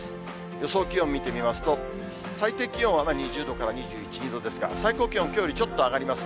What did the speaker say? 予想気温見てみますと、最低気温は２０度から２１、２度ですが、最高気温、きょうよりちょっと上がります。